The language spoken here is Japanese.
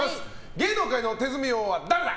芸能界の手積み王は誰だ！？